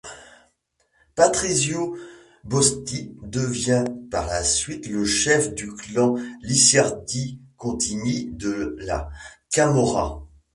Patrizio Bosti devient par la suite le chef du clan Licciardi-Contini de la camorra.